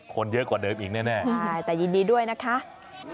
คนเยอะกว่าเดิมอีกแน่ใช่แต่ยินดีด้วยนะคะ